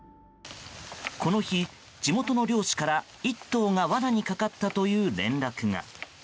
この日、地元の猟師から１頭が罠にかかったという連絡が。